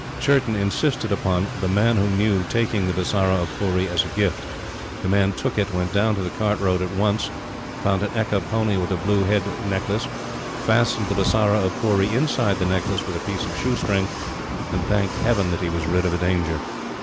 Churton insisted upon The Man who Knew taking the Bisara of Pooree as a gift. The Man took it, went down to the Cart Road at once, found an ekka pony with a blue head necklace, fastened the Bisara of Pooree inside the necklace with a piece of shoe string and thanked Heaven that he was rid of a danger.